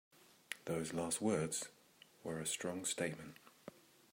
Those last words were a strong statement.